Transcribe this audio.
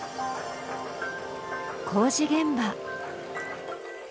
工事現場。